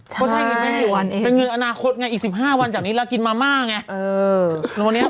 ใช่เป็นเงินอาณาคตไงอีก๑๕วันจากนี้เรากินมาม่าไง